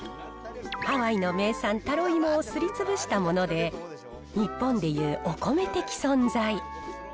ハワイの名産、タロイモをすりつぶしたもので、日本でいうお米的存在。